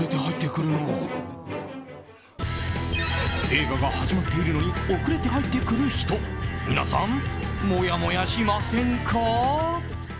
映画が始まっているのに遅れて入ってくる人皆さん、もやもやしませんか？